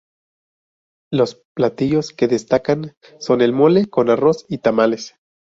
Los platillos que destacan son el mole con arroz y tamales.